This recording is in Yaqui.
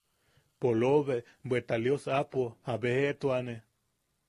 Polobe, bweta Lios aapo a bejeʼetuane.